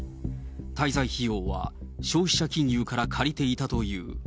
滞在費用は消費者金融から借りていたという。